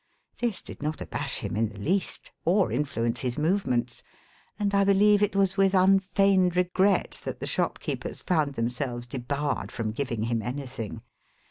This did not abash him in the least, or influence his movements, and I beheve it was with unfeigned regret that the shopkeepers found themselves debarred from giving him anything.